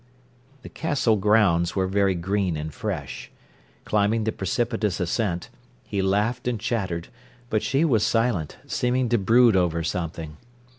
The Castle grounds were very green and fresh. Climbing the precipitous ascent, he laughed and chattered, but she was silent, seeming to brood over something.